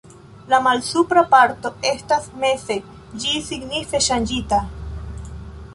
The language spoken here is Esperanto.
La malsupra parto estas meze ĝis signife ŝanĝita.